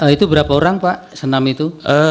itu berapa orang pak senam itu